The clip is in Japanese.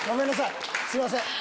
すいません。